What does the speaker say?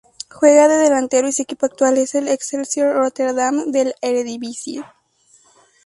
Juega de Delantero y su equipo actual es el Excelsior Rotterdam de la Eredivisie.